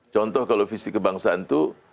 contoh kalau visi kebangsaan itu